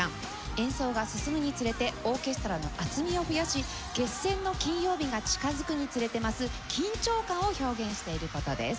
演奏が進むにつれてオーケストラの厚みを増やし決戦の金曜日が近づくにつれて増す緊張感を表現している事です。